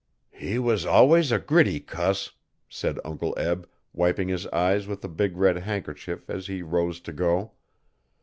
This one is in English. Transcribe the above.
'He was alwuss a gritty cuss,' said Uncle Eb, wiping his eyes with a big red handkerchief as he rose to go.